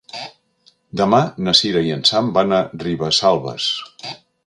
Demà na Sira i en Sam van a Ribesalbes.